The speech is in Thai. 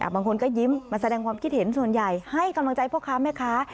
อ่าบางคนก็ยิ้มมาแสดงความคิดเห็นส่วนใหญ่ให้กำลังใจเพราะความไหมคะ